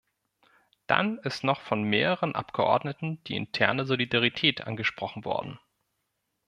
Dann ist noch von mehreren Abgeordneten die interne Solidarität angesprochen worden.